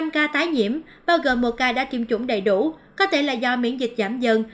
năm ca tái nhiễm bao gồm một ca đã tiêm chủng đầy đủ có thể là do miễn dịch giảm dần